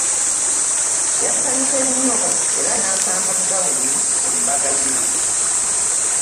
Yasanyuse nnyo era maasamba gawuni kumbaga ye.